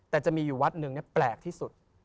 แต่จะมีอยู่วัดหนึ่งแปลกที่สุด